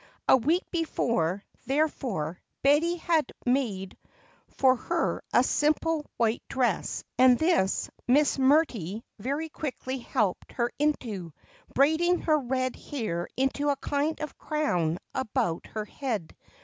A week before, therefore, Betty had had made for her a simple white dress and this Miss McMurtry very quickly helped her into, braiding her red hair into a kind of crown about her head.